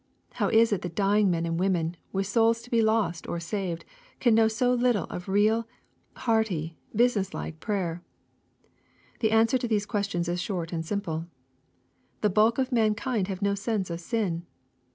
How is it that dying men and w^omen, with souls to be lost or saved, can know so little of real, hearty, business like prayer ? The answer to these questions is short and simple. The bulk of mankind have no sense of sin.